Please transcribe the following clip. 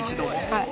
はい。